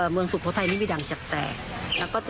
เมืองสุโขทัยนี่ไม่ดังจับแตก